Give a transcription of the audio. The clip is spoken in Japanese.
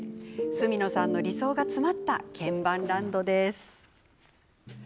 角野さんの理想が詰まった鍵盤ランドです。